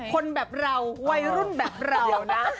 คนแบบเราวัยรุ่นแบบเรานะ